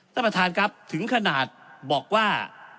ท่านประธานครับถึงขนาดบอกว่า